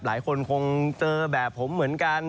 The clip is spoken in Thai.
หลายคนคงเจอแบบผมเหมือนกัน